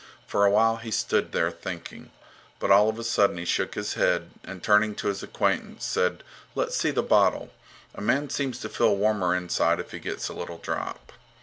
For a while he stood there thinking. But all of a sudden he shook his head and, turning to his acquaintance, said: Let's see the bottle. A man seems to feel warmer inside if he gets a little drop.